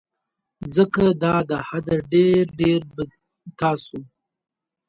ځکه دا د حده ډیر ډیر به تاسو